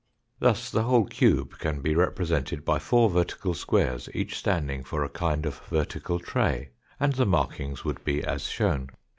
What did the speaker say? Thus the whole cube can be represented by four vertical squares, each standing for a kind of vertical tray, and the Fig. 54. markings would be as shown.